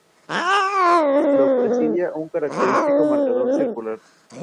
Realizó sus estudios en el Instituto Nacional y en el Liceo Presidente Balmaceda.